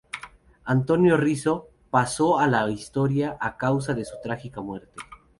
Antonio Rizzo pasó a la historia a causa de su trágica muerte.